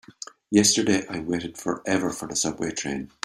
Yesterday I waited forever for the subway train.